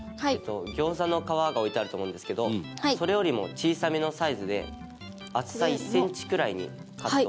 餃子の皮が置いてあると思うんですけどそれよりも小さめのサイズで厚さ１センチくらいにカットしてもらいます。